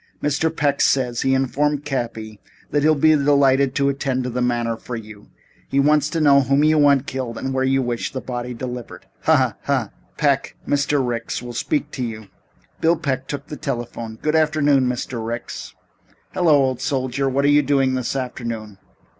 "Mr. Peck says," he informed Cappy, "that he'll be delighted to attend to the matter for you. He wants to know whom you want killed and where you wish the body delivered. Hah hah! Hah! Peck, Mr. Ricks will speak to you." Bill Peck took the telephone. "Good afternoon, Mr. Ricks." "Hello, old soldier. What are you doing this afternoon?"